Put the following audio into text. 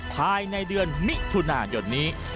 ภายในเดือนมิถุนายนนี้